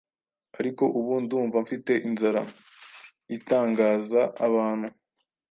Ariko ubu ndumva mfite inzara, itangaza, abantu